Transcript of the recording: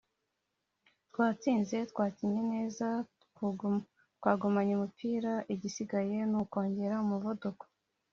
twatsinze twakinnye neza twagumanye umupira igisigaye ni ukongera umuvuduko